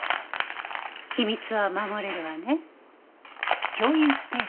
秘密は守れるわね？